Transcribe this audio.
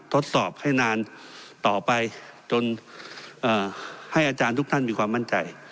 ทดสอบให้นานต่อไปจนให้อาจารย์ทุกท่านมีความมั่นใจ